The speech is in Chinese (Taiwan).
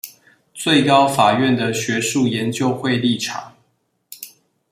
最高法院的學術研究會立場